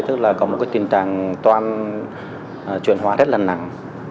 tức là có một cái tình trạng toan chuyển hóa rất là nặng